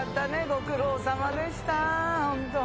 ご苦労さまでしたほんと。